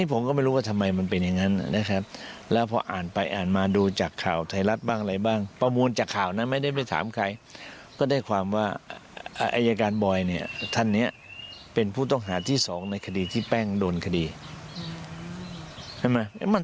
ผมมองว่าเรื่องนี้เสียแป้งต้องออกมาชี้แจ้งเรื่องราวที่เกิดขึ้น